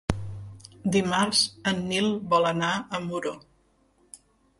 Dimarts en Nil vol anar a Muro.